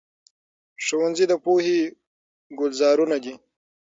ښوونځي د پوهې ګلزارونه دي.